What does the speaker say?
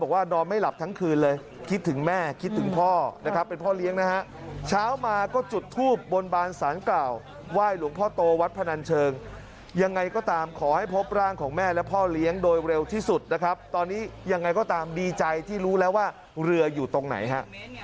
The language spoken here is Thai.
ว่ายหลวงพ่อโตวัตรพนันเชิงยังไงก็ตามขอให้พบร่างของแม่และพ่อเลี้ยงโดยเร็วที่สุดนะครับตอนนี้ยังไงก็ตามดีใจที่รู้แล้วว่าเรืออยู่ตรงไหนฮะ